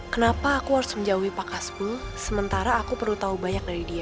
kenapa aku harus menjauhi pak kasku sementara aku perlu tahu banyak dari dia